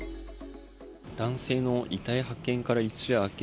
男性の遺体発見から一夜明け